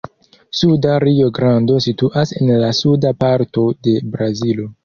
Suda Rio-Grando situas en la suda parto de Brazilo.